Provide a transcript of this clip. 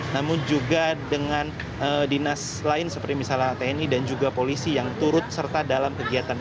namun juga dengan dinas lain seperti misalnya tni dan juga polisi yang turut serta dalam kegiatan